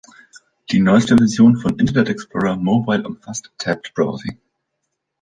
Die neueste Version von Internet Explorer Mobile umfasst Tabbed Browsing.